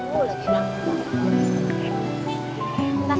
tunggu lagi ya